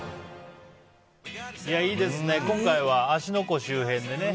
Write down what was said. いいですね、今回は芦ノ湖周辺でね。